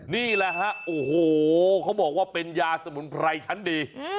นี่แหละฮะโอ้โหเขาบอกว่าเป็นยาสมุนไพรชั้นดี